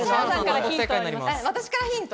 私からヒント？